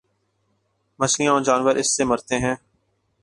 مچھلیاں اور جانور اس سے مرتے ہیں۔